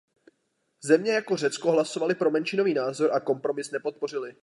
Země jako Řecko hlasovaly pro menšinový názor a kompromis nepodpořily.